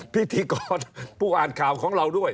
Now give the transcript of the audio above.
พิธีกรผู้อ่านข่าวของเราด้วย